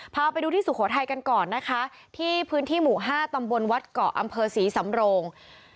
พาไปดูที่สุโขทัยกันก่อนนะคะที่พื้นที่หมู่๕ตำบลวัดเกาะอำเภอศรีสำโรง